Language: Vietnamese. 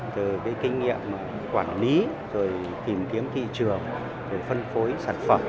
từ cái kinh nghiệm quản lý rồi tìm kiếm thị trường để phân phối sản phẩm